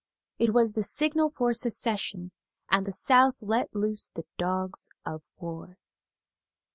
It was the signal for secession, and the South let loose the dogs of war.